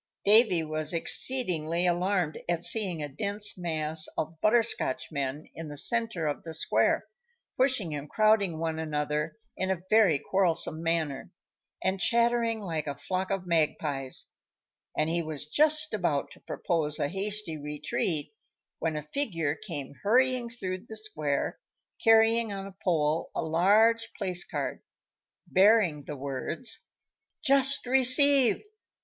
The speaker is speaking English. Davy was exceedingly alarmed at seeing a dense mass of Butterscotchmen in the centre of the square, pushing and crowding one another in a very quarrelsome manner, and chattering like a flock of magpies, and he was just about to propose a hasty retreat, when a figure came hurrying through the square, carrying on a pole a large placard, bearing the words: "JUST RECEIVED!